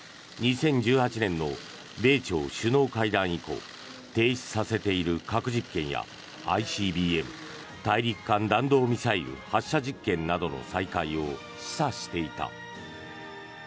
２０１８年の米朝首脳会談以降停止させている核実験やＩＣＢＭ・大陸間弾道ミサイル発射実験などの再開を示唆していた。